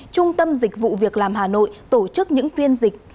trung tâm dịch vụ việc làm hà nội tổ chức những phiên dịch